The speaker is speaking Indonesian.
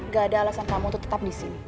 gak ada alasan kamu tetap disini